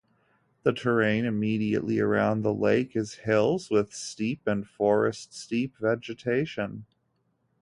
The terrain immediately around the lake is hills with steppe and forest steppe vegetation.